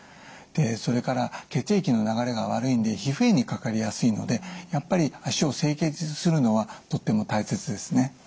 それから血液の流れが悪いので皮膚炎にかかりやすいのでやっぱり脚を清潔にするのはとても大切ですね。